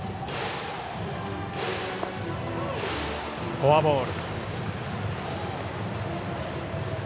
フォアボール。